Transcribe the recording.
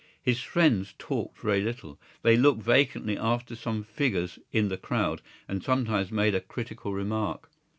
His friends talked very little. They looked vacantly after some figures in the crowd and sometimes made a critical remark.